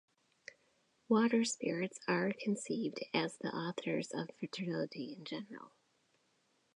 Water-spirits are conceived as the authors of fertility in general.